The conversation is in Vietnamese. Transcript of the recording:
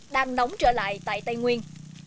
đang nóng trở lại tại tây nguyên